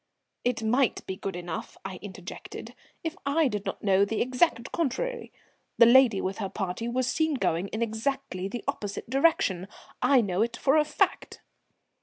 "It might be good enough," I interjected, "if I did not know the exact contrary. The lady with her party was seen going in exactly the opposite direction. I know it for a fact."